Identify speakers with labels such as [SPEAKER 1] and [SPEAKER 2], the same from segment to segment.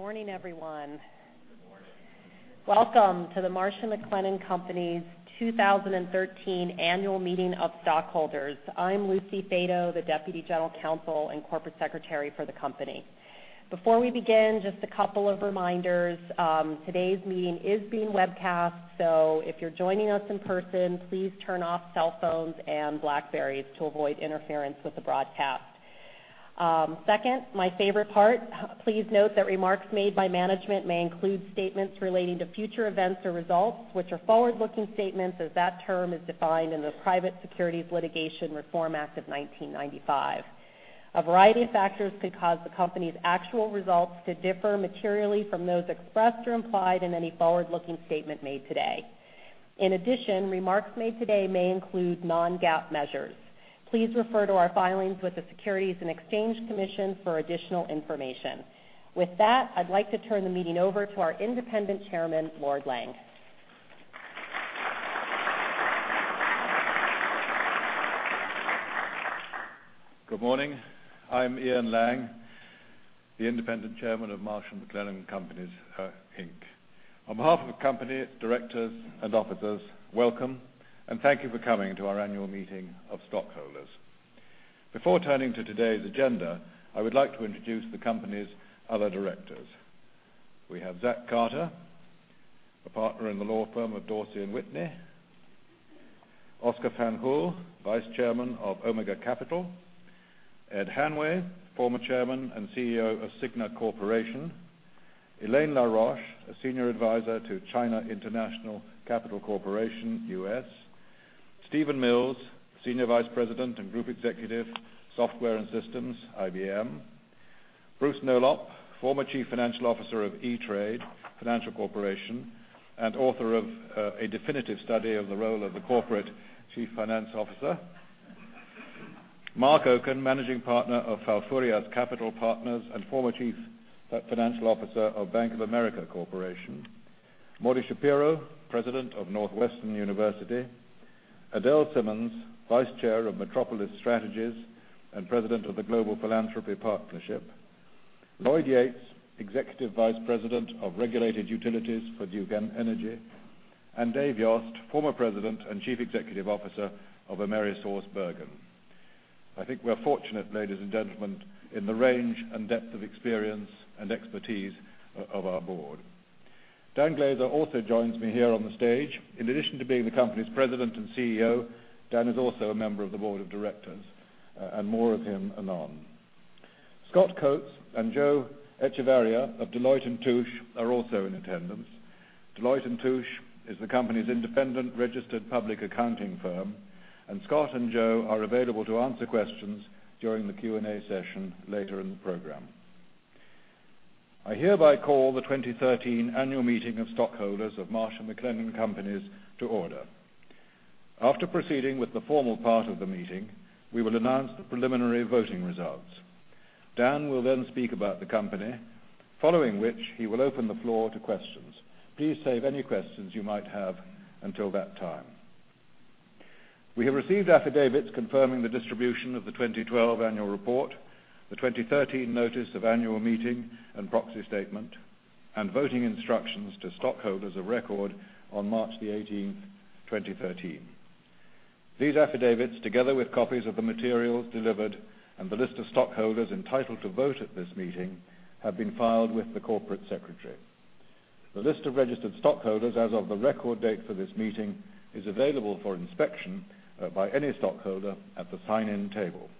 [SPEAKER 1] Good morning, everyone.
[SPEAKER 2] Good morning.
[SPEAKER 1] Welcome to The Marsh & McLennan Companies' 2013 Annual Meeting of Stockholders. I'm Lucy Fato, the Deputy General Counsel and Corporate Secretary for the company. Before we begin, just a couple of reminders. Today's meeting is being webcast, so if you're joining us in person, please turn off cell phones and BlackBerrys to avoid interference with the broadcast. Second, my favorite part, please note that remarks made by management may include statements relating to future events or results, which are forward-looking statements as that term is defined in the Private Securities Litigation Reform Act of 1995. A variety of factors could cause the company's actual results to differ materially from those expressed or implied in any forward-looking statement made today. Remarks made today may include non-GAAP measures. Please refer to our filings with the Securities and Exchange Commission for additional information. With that, I'd like to turn the meeting over to our Independent Chairman, Lord Lang.
[SPEAKER 3] Good morning. I'm Ian Lang, the independent Chairman of Marsh & McLennan Companies, Inc. On behalf of the company, directors, and officers, welcome, and thank you for coming to our annual meeting of stockholders. Before turning to today's agenda, I would like to introduce the company's other directors. We have Zach Carter, a partner in the law firm of Dorsey & Whitney, Óscar Fanjul, Vice Chairman of Omega Capital, Ed Hanway, former Chairman and CEO of Cigna Corporation, Elaine La Roche, a Senior Advisor to China International Capital Corporation, U.S., Stephen Mills, Senior Vice President and Group Executive, Software and Systems, IBM, Bruce Nolop, former Chief Financial Officer of E-Trade Financial Corporation and author of a definitive study of the role of the corporate chief financial officer, Marc Oken, Managing Partner of Falfurrias Capital Partners and former Chief Financial Officer of Bank of America Corporation, Morton Schapiro, President of Northwestern University, Adele Simmons, Vice Chair of Metropolis Strategies and President of the Global Philanthropy Partnership, Lloyd Yates, Executive Vice President of Regulated Utilities for Duke Energy, and Dave Yost, former President and Chief Executive Officer of AmerisourceBergen. I think we're fortunate, ladies and gentlemen, in the range and depth of experience and expertise of our board. Dan Glaser also joins me here on the stage. In addition to being the company's President and CEO, Dan is also a member of the board of directors. More of him anon. Scott Coates and Joe Echevarria of Deloitte & Touche are also in attendance. Deloitte & Touche is the company's independent registered public accounting firm, and Scott and Joe are available to answer questions during the Q&A session later in the program. I hereby call the 2013 Annual Meeting of Stockholders of Marsh & McLennan Companies to order. After proceeding with the formal part of the meeting, we will announce the preliminary voting results. Dan will then speak about the company, following which he will open the floor to questions. Please save any questions you might have until that time. We have received affidavits confirming the distribution of the 2012 annual report, the 2013 notice of annual meeting and proxy statement, and voting instructions to stockholders of record on March the 18th, 2013. These affidavits, together with copies of the materials delivered and the list of stockholders entitled to vote at this meeting, have been filed with the corporate secretary. The list of registered stockholders as of the record date for this meeting is available for inspection by any stockholder at the sign-in table.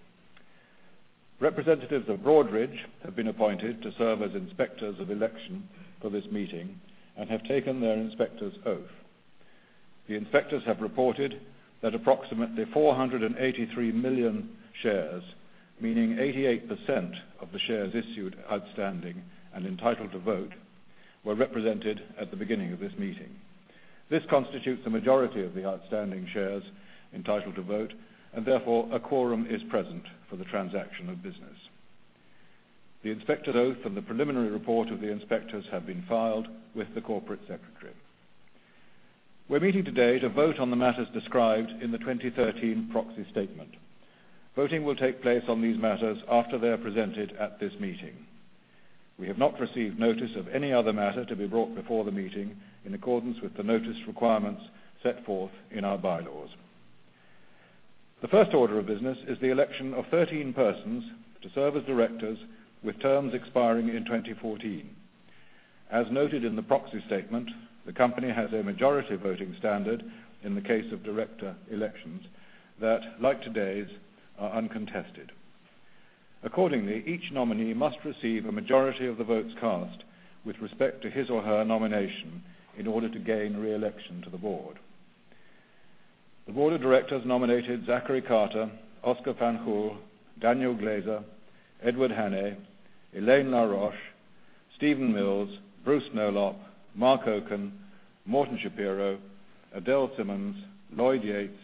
[SPEAKER 3] Representatives of Broadridge have been appointed to serve as inspectors of election for this meeting and have taken their inspector's oath. The inspectors have reported that approximately 483 million shares, meaning 88% of the shares issued outstanding and entitled to vote, were represented at the beginning of this meeting. This constitutes a majority of the outstanding shares entitled to vote, and therefore, a quorum is present for the transaction of business. The inspector's oath and the preliminary report of the inspectors have been filed with the corporate secretary. We're meeting today to vote on the matters described in the 2013 proxy statement. Voting will take place on these matters after they are presented at this meeting. We have not received notice of any other matter to be brought before the meeting in accordance with the notice requirements set forth in our bylaws. The first order of business is the election of 13 persons to serve as directors with terms expiring in 2014. As noted in the proxy statement, the company has a majority voting standard in the case of director elections that, like today's, are uncontested. Accordingly, each nominee must receive a majority of the votes cast with respect to his or her nomination in order to gain re-election to the board. The board of directors nominated Zachary Carter, Óscar Fanjul, Daniel Glaser, Edward Hanway, Elaine La Roche, Stephen Mills, Bruce Nolop, Marc Oken, Morton Schapiro, Adele Simmons, Lloyd Yates,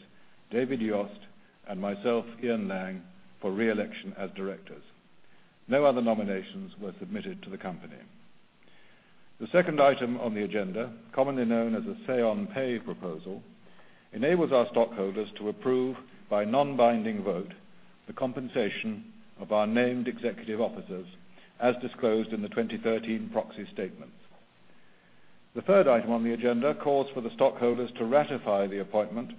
[SPEAKER 3] David Yost, and myself, Ian Lang, for re-election as directors. No other nominations were submitted to the company. The second item on the agenda, commonly known as a say on pay proposal, enables our stockholders to approve by non-binding vote the compensation of our named executive officers as disclosed in the 2013 proxy statement. The third item on the agenda calls for the stockholders to ratify the appointment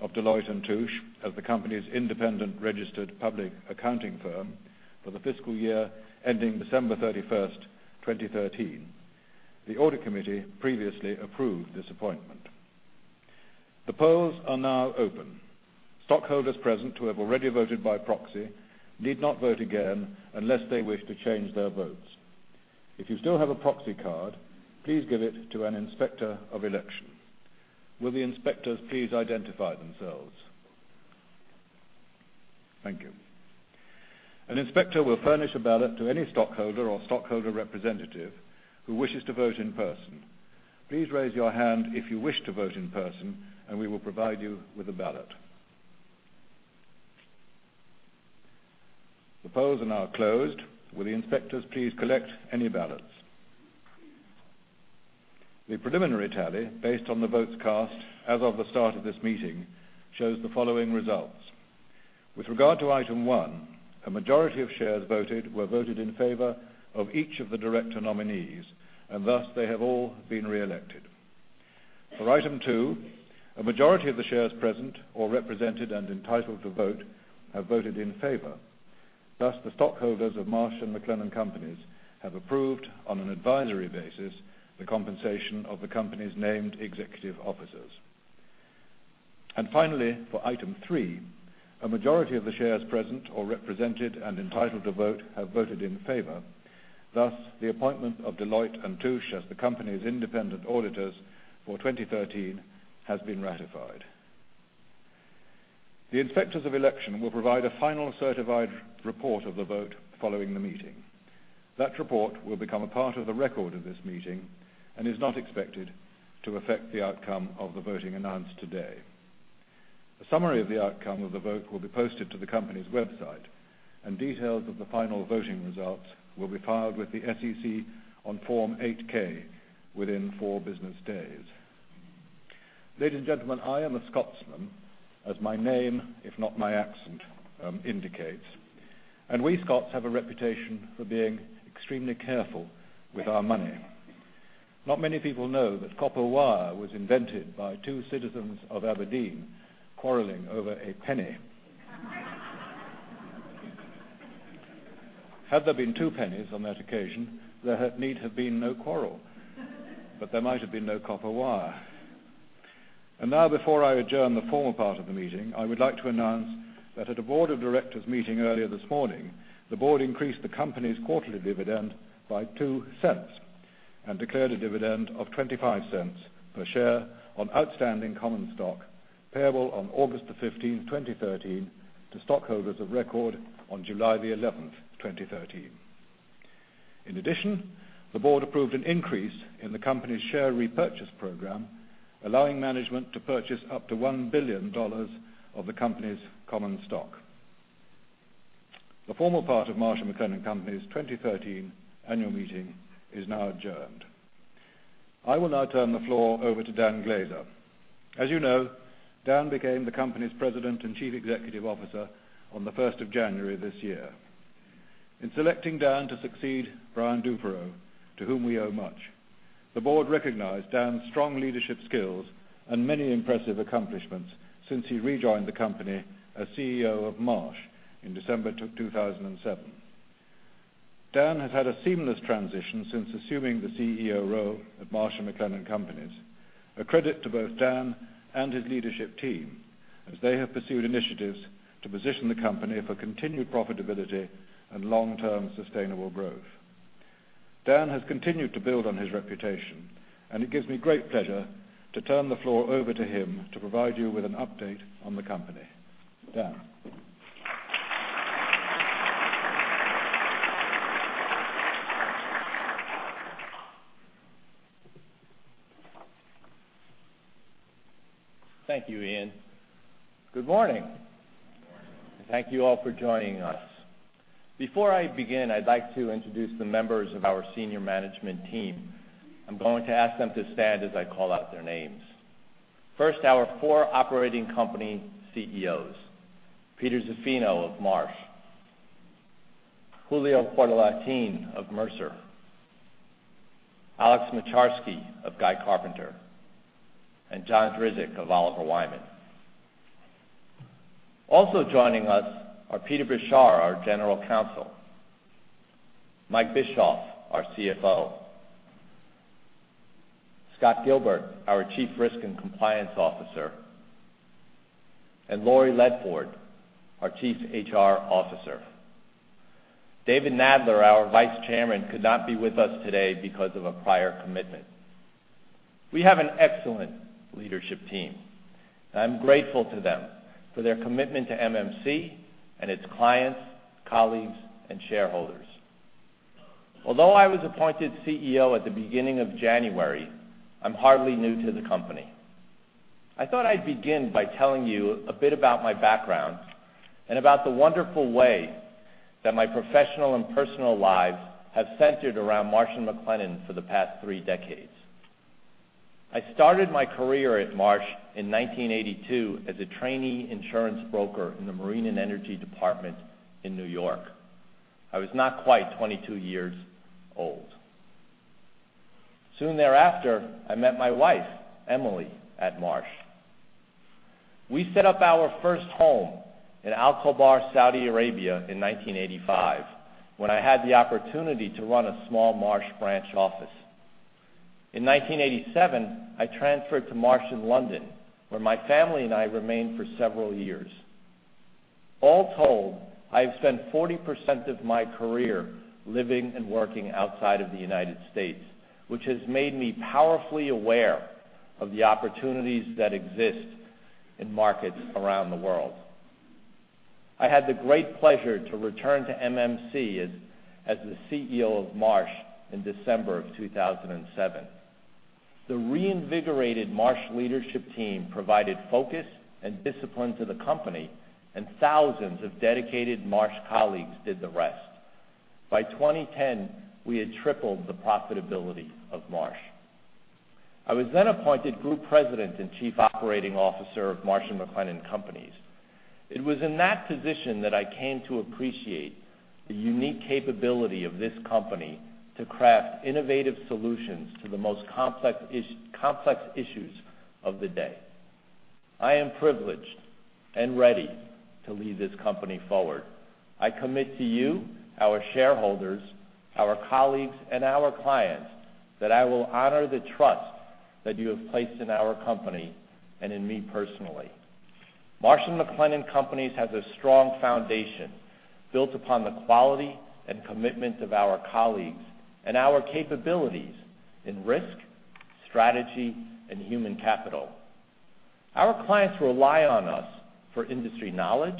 [SPEAKER 3] of Deloitte & Touche as the company's independent registered public accounting firm for the fiscal year ending December 31st, 2013. The audit committee previously approved this appointment. The polls are now open. Stockholders present who have already voted by proxy need not vote again unless they wish to change their votes. If you still have a proxy card, please give it to an inspector of election. Will the inspectors please identify themselves? Thank you. An inspector will furnish a ballot to any stockholder or stockholder representative who wishes to vote in person. Please raise your hand if you wish to vote in person, and we will provide you with a ballot. The polls are now closed. Will the inspectors please collect any ballots? The preliminary tally, based on the votes cast as of the start of this meeting, shows the following results. With regard to item one, a majority of shares voted were voted in favor of each of the director nominees, and thus they have all been reelected. For item two, a majority of the shares present or represented and entitled to vote have voted in favor. Thus, the stockholders of Marsh & McLennan Companies have approved, on an advisory basis, the compensation of the company's named executive officers. Finally, for item three, a majority of the shares present or represented and entitled to vote have voted in favor. Thus, the appointment of Deloitte & Touche as the company's independent auditors for 2013 has been ratified. The inspectors of election will provide a final certified report of the vote following the meeting. That report will become a part of the record of this meeting and is not expected to affect the outcome of the voting announced today. A summary of the outcome of the vote will be posted to the company's website, and details of the final voting results will be filed with the SEC on Form 8-K within four business days. Ladies and gentlemen, I am a Scotsman, as my name, if not my accent, indicates, and we Scots have a reputation for being extremely careful with our money. Not many people know that copper wire was invented by two citizens of Aberdeen quarreling over $0.01. Had there been $0.02 on that occasion, there had need have been no quarrel. There might have been no copper wire. Now, before I adjourn the formal part of the meeting, I would like to announce that at a board of directors meeting earlier this morning, the board increased the company's quarterly dividend by $0.02 and declared a dividend of $0.25 per share on outstanding common stock payable on August the 15th, 2013, to stockholders of record on July the 11th, 2013. In addition, the board approved an increase in the company's share repurchase program, allowing management to purchase up to $1 billion of the company's common stock. The formal part of Marsh & McLennan Companies' 2013 annual meeting is now adjourned. I will now turn the floor over to Dan Glaser. As you know, Dan became the company's President and Chief Executive Officer on the 1st of January this year. In selecting Dan to succeed Brian Duperreault, to whom we owe much, the board recognized Dan's strong leadership skills and many impressive accomplishments since he rejoined the company as CEO of Marsh in December 2007. Dan has had a seamless transition since assuming the CEO role at Marsh & McLennan Companies, a credit to both Dan and his leadership team, as they have pursued initiatives to position the company for continued profitability and long-term sustainable growth. Dan has continued to build on his reputation. It gives me great pleasure to turn the floor over to him to provide you with an update on the company. Dan.
[SPEAKER 4] Thank you, Ian. Good morning.
[SPEAKER 2] Good morning.
[SPEAKER 4] Thank you all for joining us. Before I begin, I'd like to introduce the members of our senior management team. I'm going to ask them to stand as I call out their names. First, our four operating company CEOs, Peter Zaffino of Marsh, Julio Portalatin of Mercer, Alex Moczarski of Guy Carpenter, and John Drzik of Oliver Wyman. Also joining us are Peter Beshar, our General Counsel, Mike Bischoff, our CFO, Scott Gilbert, our Chief Risk and Compliance Officer, and Lucy Fato, our Chief HR Officer. David Nadler, our Vice Chairman, could not be with us today because of a prior commitment. We have an excellent leadership team, and I'm grateful to them for their commitment to MMC and its clients, colleagues, and shareholders. Although I was appointed CEO at the beginning of January, I'm hardly new to the company. I thought I'd begin by telling you a bit about my background and about the wonderful way that my professional and personal lives have centered around Marsh & McLennan for the past three decades. I started my career at Marsh in 1982 as a trainee insurance broker in the Marine & Energy department in New York. I was not quite 22 years old. Soon thereafter, I met my wife, Emily, at Marsh. We set up our first home in Al Khobar, Saudi Arabia, in 1985, when I had the opportunity to run a small Marsh branch office. In 1987, I transferred to Marsh in London, where my family and I remained for several years. All told, I have spent 40% of my career living and working outside of the U.S., which has made me powerfully aware of the opportunities that exist in markets around the world. I had the great pleasure to return to MMC as the CEO of Marsh in December of 2007. The reinvigorated Marsh leadership team provided focus and discipline to the company. Thousands of dedicated Marsh colleagues did the rest. By 2010, we had tripled the profitability of Marsh. I was then appointed Group President and Chief Operating Officer of Marsh & McLennan Companies. It was in that position that I came to appreciate the unique capability of this company to craft innovative solutions to the most complex issues of the day. I am privileged and ready to lead this company forward. I commit to you, our shareholders, our colleagues, and our clients that I will honor the trust that you have placed in our company and in me personally. Marsh & McLennan Companies has a strong foundation built upon the quality and commitment of our colleagues and our capabilities in risk, strategy, and human capital. Our clients rely on us for industry knowledge,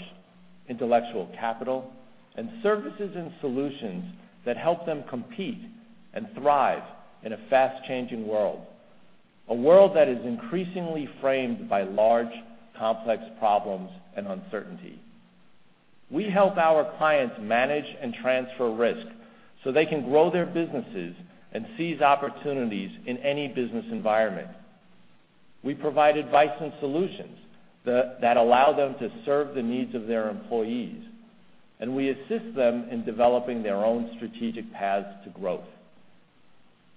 [SPEAKER 4] intellectual capital, and services and solutions that help them compete and thrive in a fast-changing world. A world that is increasingly framed by large, complex problems and uncertainty. We help our clients manage and transfer risk so they can grow their businesses and seize opportunities in any business environment. We provide advice and solutions that allow them to serve the needs of their employees, and we assist them in developing their own strategic paths to growth.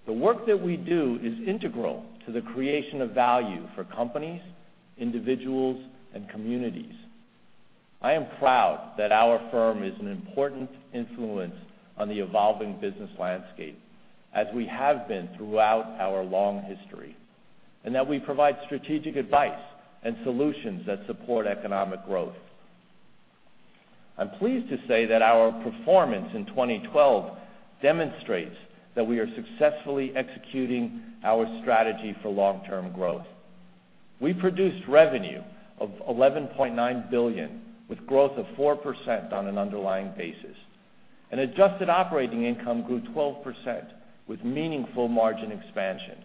[SPEAKER 4] The work that we do is integral to the creation of value for companies, individuals, and communities. I am proud that our firm is an important influence on the evolving business landscape, as we have been throughout our long history, and that we provide strategic advice and solutions that support economic growth. I'm pleased to say that our performance in 2012 demonstrates that we are successfully executing our strategy for long-term growth. We produced revenue of $11.9 billion, with growth of 4% on an underlying basis, adjusted operating income grew 12% with meaningful margin expansion.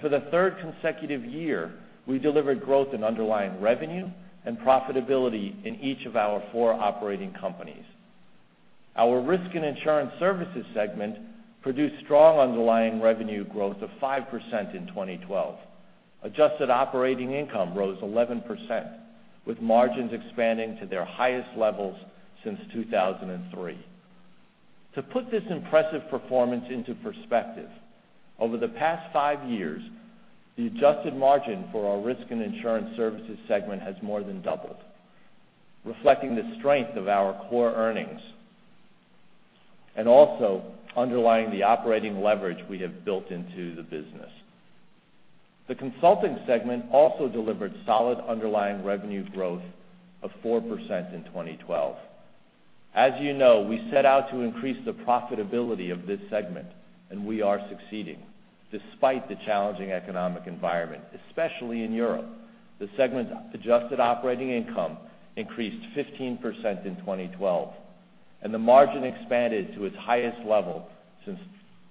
[SPEAKER 4] For the third consecutive year, we delivered growth in underlying revenue and profitability in each of our four operating companies. Our Risk and Insurance Services segment produced strong underlying revenue growth of 5% in 2012. Adjusted operating income rose 11%, with margins expanding to their highest levels since 2003. To put this impressive performance into perspective, over the past five years, the adjusted margin for our Risk and Insurance Services segment has more than doubled, reflecting the strength of our core earnings, and also underlying the operating leverage we have built into the business. The Consulting segment also delivered solid underlying revenue growth of 4% in 2012. As you know, we set out to increase the profitability of this segment, and we are succeeding despite the challenging economic environment, especially in Europe. The segment's adjusted operating income increased 15% in 2012, and the margin expanded to its highest level since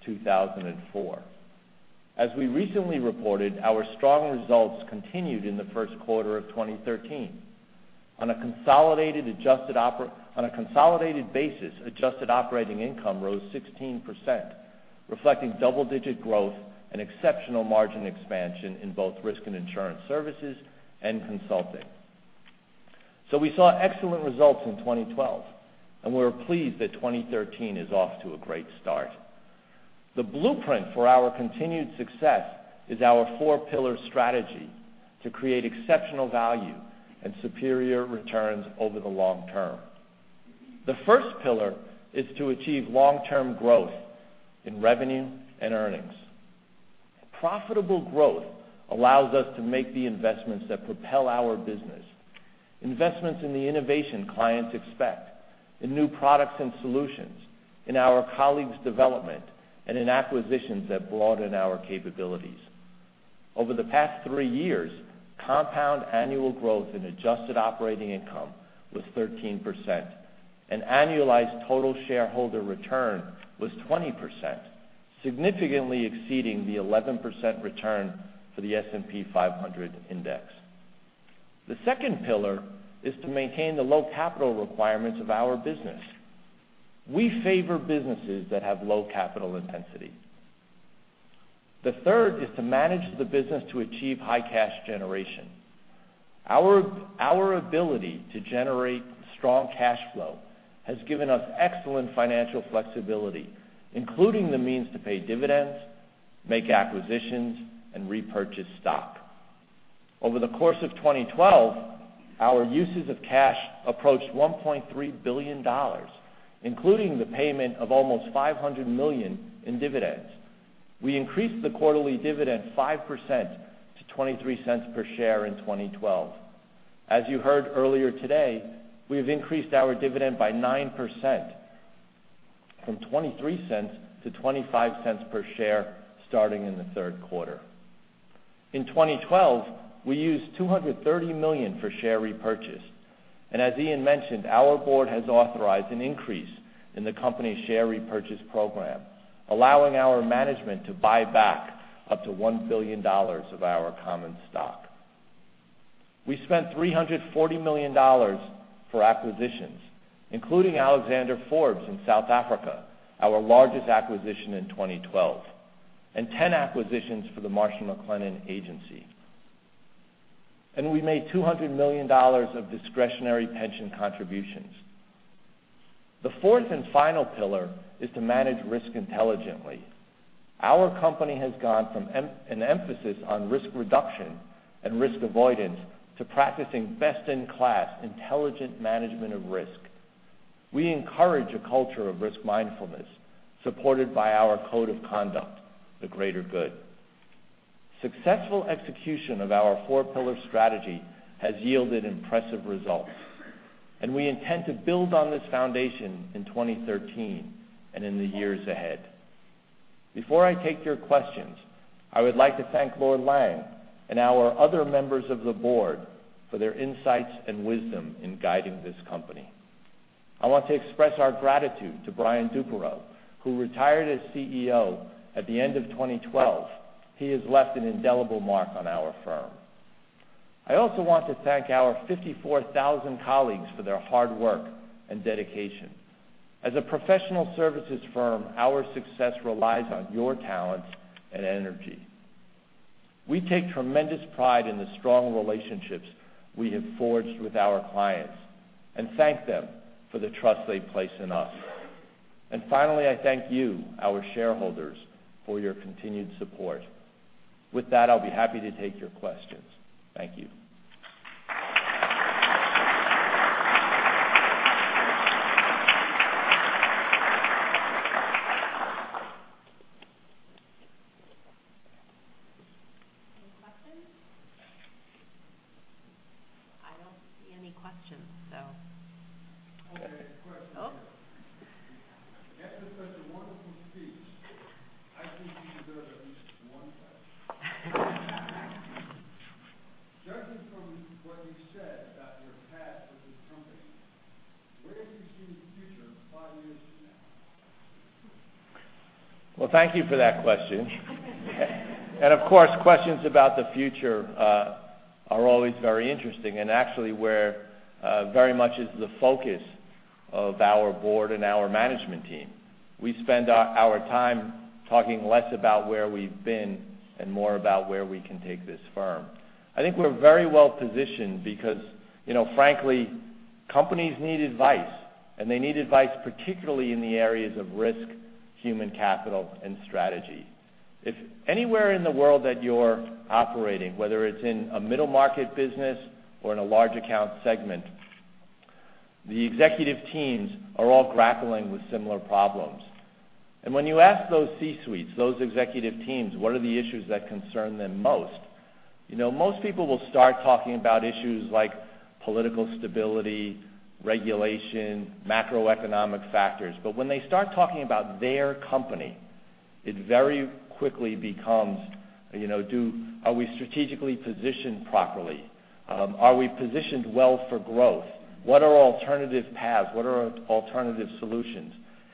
[SPEAKER 4] 2004. As we recently reported, our strong results continued in the first quarter of 2013. On a consolidated basis, adjusted operating income rose 16%, reflecting double-digit growth and exceptional margin expansion in both Risk and Insurance Services and Consulting. We saw excellent results in 2012, and we're pleased that 2013 is off to a great start. The blueprint for our continued success is our four pillar strategy to create exceptional value and superior returns over the long term. The first pillar is to achieve long-term growth in revenue and earnings. Profitable growth allows us to make the investments that propel our business, investments in the innovation clients expect, in new products and solutions, in our colleagues' development, and in acquisitions that broaden our capabilities. Over the past three years, compound annual growth in adjusted operating income was 13%, and annualized total shareholder return was 20%. Significantly exceeding the 11% return for the S&P 500 index. The second pillar is to maintain the low capital requirements of our business. We favor businesses that have low capital intensity. The third is to manage the business to achieve high cash generation. Our ability to generate strong cash flow has given us excellent financial flexibility, including the means to pay dividends, make acquisitions, and repurchase stock. Over the course of 2012, our uses of cash approached $1.3 billion, including the payment of almost $500 million in dividends. We increased the quarterly dividend 5% to $0.23 per share in 2012. As you heard earlier today, we've increased our dividend by 9%, from $0.23 to $0.25 per share, starting in the third quarter. In 2012, we used $230 million for share repurchase. As Ian Lang mentioned, our board has authorized an increase in the company's share repurchase program, allowing our management to buy back up to $1 billion of our common stock. We spent $340 million for acquisitions, including Alexander Forbes in South Africa, our largest acquisition in 2012, and 10 acquisitions for the Marsh & McLennan Agency. We made $200 million of discretionary pension contributions. The fourth and final pillar is to manage risk intelligently. Our company has gone from an emphasis on risk reduction and risk avoidance, to practicing best-in-class intelligent management of risk. We encourage a culture of risk mindfulness, supported by our code of conduct, The Greater Good. Successful execution of our four-pillar strategy has yielded impressive results, and we intend to build on this foundation in 2013 and in the years ahead. Before I take your questions, I would like to thank Lord Lang and our other members of the board for their insights and wisdom in guiding this company. I want to express our gratitude to Brian Duperreault, who retired as CEO at the end of 2012. He has left an indelible mark on our firm. I also want to thank our 54,000 colleagues for their hard work and dedication. As a professional services firm, our success relies on your talents and energy. We take tremendous pride in the strong relationships we have forged with our clients, and thank them for the trust they place in us. Finally, I thank you, our shareholders, for your continued support. With that, I'll be happy to take your questions. Thank you.
[SPEAKER 1] Any questions? I don't see any questions.
[SPEAKER 5] Okay, question.
[SPEAKER 1] Oh.
[SPEAKER 5] After such a wonderful speech, I think you deserve at least one clap. Judging from what you said about your past with this company, where do you see the future five years from now?
[SPEAKER 4] Well, thank you for that question. Of course, questions about the future are always very interesting and actually where very much is the focus of our board and our management team. We spend our time talking less about where we've been and more about where we can take this firm. I think we're very well-positioned because frankly, companies need advice, and they need advice particularly in the areas of risk, human capital, and strategy. If anywhere in the world that you're operating, whether it's in a middle-market business or in a large account segment, the executive teams are all grappling with similar problems. When you ask those C-suites, those executive teams, what are the issues that concern them most people will start talking about issues like political stability, regulation, macroeconomic factors. When they start talking about their company, it very quickly becomes, are we strategically positioned properly? Are we positioned well for growth? What are alternative paths? What are alternative solutions?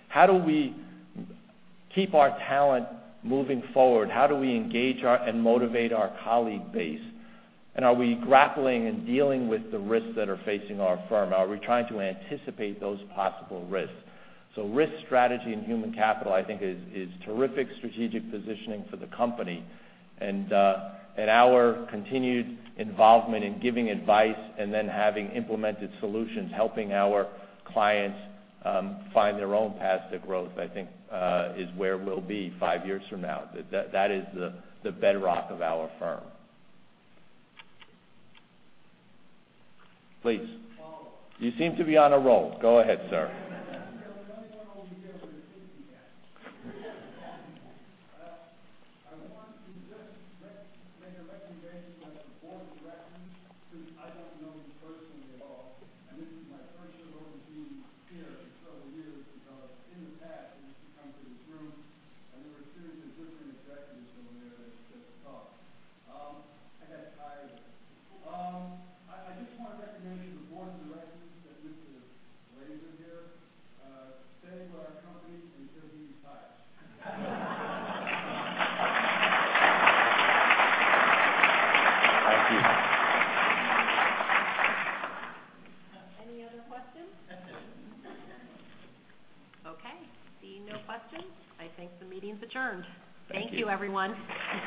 [SPEAKER 4] How do we keep our talent moving forward? How do we engage and motivate our colleague base? Are we grappling and dealing with the risks that are facing our firm? Are we trying to anticipate those possible risks? Risk strategy and human capital, I think, is terrific strategic positioning for the company. Our continued involvement in giving advice and then having implemented solutions, helping our clients find their own paths to growth, I think, is where we'll be five years from now. That is the bedrock of our firm. Please.
[SPEAKER 5] Just to follow up.
[SPEAKER 4] You seem to be on a roll. Go ahead, sir.